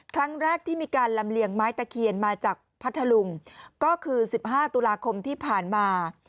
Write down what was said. ครั้งแรกที่มีการลำเลียงไม้ตะเคียนมาจากพัทธลุงก็คือ๑๕ตุลาคมที่ผ่านมา